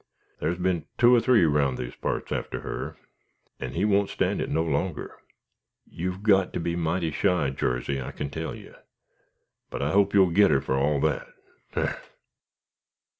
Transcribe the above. There's been two or three round these parts after her, and he won't stand it no longer. You've got to be mighty shy, Jarsey, I kin tell yer; but I hope you'll git her fur all that, ogh!"